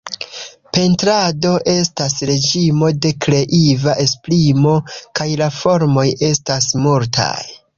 Pentrado estas reĝimo de kreiva esprimo, kaj la formoj estas multaj.